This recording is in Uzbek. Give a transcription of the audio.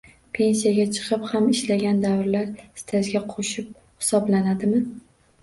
Pensiyaga chiqib ham ishlagan davrlar stajga qoʻshib hisoblanadimi?